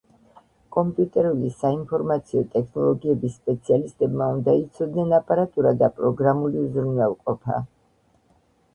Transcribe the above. კომპიუტერული საინფორმაციო ტექნოლოგიების სპეციალისტებმა უნდა იცოდნენ აპარატურა და პროგრამული უზრუნველყოფა.